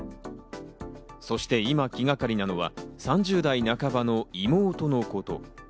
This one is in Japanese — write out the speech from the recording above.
そして今、気がかりなのは３０代半ばの妹のこと。